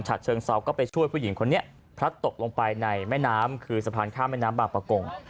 เชิงเซาก็ไปช่วยผู้หญิงคนนี้พลัดตกลงไปในแม่น้ำคือสะพานข้ามแม่น้ำบางประกง